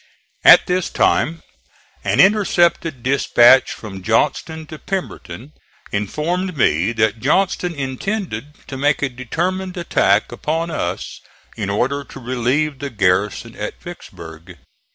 At this time an intercepted dispatch from Johnston to Pemberton informed me that Johnston intended to make a determined attack upon us in order to relieve the garrison at Vicksburg.